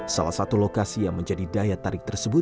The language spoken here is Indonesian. salah satu lokasi yang menjadi daya terhadap kebupaten jawa tengah